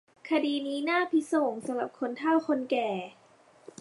คดีนี้น่าพิศวงสำหรับคนเฒ่าคนแก่